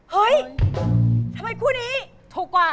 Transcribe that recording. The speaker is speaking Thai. เฮ้ยทำไมคู่นี้ถูกกว่า